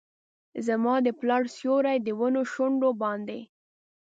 زما د پلار سیوري ، د ونو شونډو باندې